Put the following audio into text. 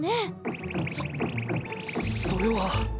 そそれは。